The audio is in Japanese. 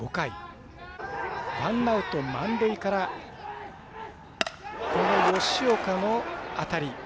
ワンアウト、満塁から吉岡の当たり。